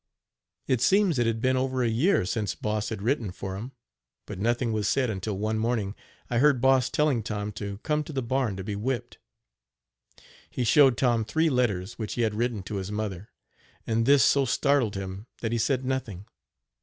It seems it had been over a year since Boss had written for him, but nothing was said until one morning I heard Boss telling Tom to come to the barn to be whipped. He showed Tom three letters which he had written to his mother, and this so startled him that he said nothing.